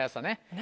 何？